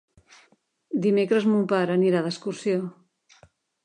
Dimecres mon pare anirà d'excursió.